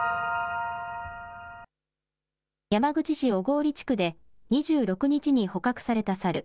山口市小郡地区で、２６日に捕獲された猿。